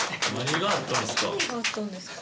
何があったんですか？